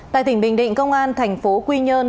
tại tỉnh bình định công an thành phố quy nhơn